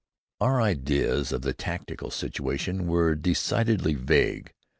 Our ideas of the tactical situation were decidedly vague.